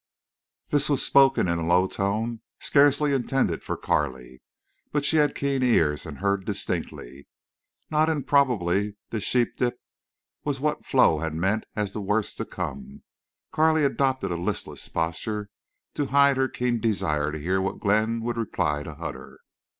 This was spoken in a low tone, scarcely intended for Carley, but she had keen ears and heard distinctly. Not improbably this sheep dip was what Flo meant as the worst to come. Carley adopted a listless posture to hide her keen desire to hear what Glenn would reply to Hutter.